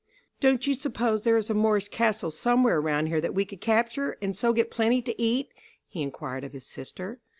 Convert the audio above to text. "Don't you suppose there is a Moorish castle somewhere around here that we could capture, and so get plenty to eat?" he inquired of his sister.